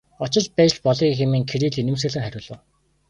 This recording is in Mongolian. Очиж байж л болъё хэмээн Кирилл инээмсэглэн хариулав.